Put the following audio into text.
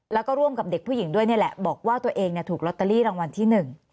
แล้วก็ร่วมกับเด็กผู้หญิงด้วยนี่แหละบอกว่าตัวเองถูกลอตเตอรี่รางวัลที่หนึ่ง